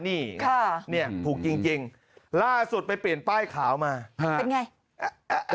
นี่ค่ะเนี่ยถูกจริงจริงล่าสุดไปเปลี่ยนป้ายขาวมาเป็นไง